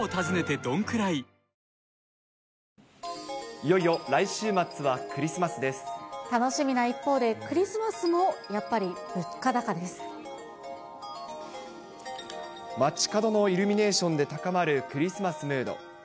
いよいよ来週末はクリスマス楽しみな一方でクリスマスも街角のイルミネーションで高まるクリスマスムード。